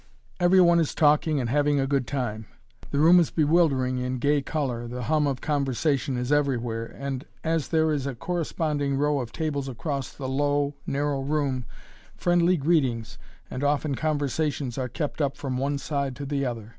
Every one is talking and having a good time. The room is bewildering in gay color, the hum of conversation is everywhere, and as there is a corresponding row of tables across the low, narrow room, friendly greetings and often conversations are kept up from one side to the other.